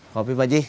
kopi pak ji